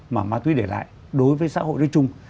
mà ma túy để lại đối với xã hội nói chung